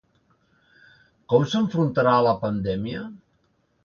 Com s’enfrontarà a la pandèmia?